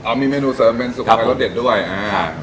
อ้าวมีเมนูเสริมเป็นสุโขทัยรสเด็ดด้วยครับผม